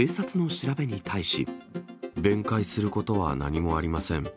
弁解することは何もありません。